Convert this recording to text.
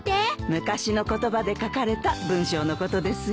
昔の言葉で書かれた文章のことですよ。